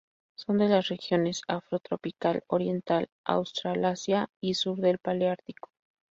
Son de las regiones afrotropical, oriental, australasia y sur del Paleártico.